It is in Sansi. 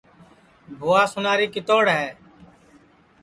بھوا سُناری کِتوڑ ہے